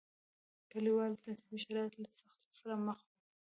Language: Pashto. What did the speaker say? کلیوالو د طبیعي شرایطو له سختیو سره مخ وو.